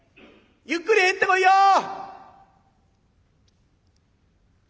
ゆっくり入ってこいよ！」。